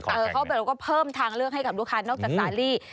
เขาเปลี่ยนแล้วก็เพิ่มทางเลือกให้กับลูกค้านอกจากสาลี